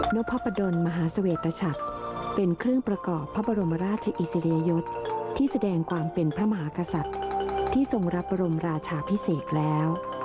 พระประดนมหาเสวตชักเป็นเครื่องประกอบพระบรมราชอิสริยยศที่แสดงความเป็นพระมหากษัตริย์ที่ทรงรับบรมราชาพิเศษแล้ว